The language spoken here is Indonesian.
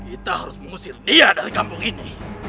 kita harus mengusir dia dari kampung ini